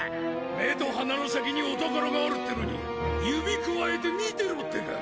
目と鼻の先にお宝があるってのに指くわえて見てろってか！